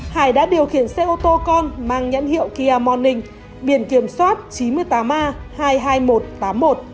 hải đã điều khiển xe ô tô con mang nhãn hiệu kia morning biển kiểm soát chín mươi tám a hai mươi hai nghìn một trăm tám mươi một